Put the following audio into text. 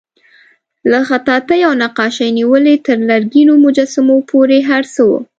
له خطاطۍ او نقاشۍ نیولې تر لرګینو مجسمو پورې هر څه وو.